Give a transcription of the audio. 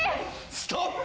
ストップ！